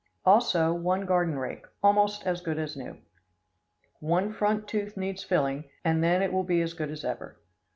Also one garden rake, almost as good as new. One front tooth needs filling, and then it will be as good as ever.